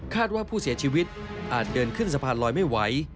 ว่าผู้เสียชีวิตอาจเดินขึ้นสะพานลอยไม่ไหว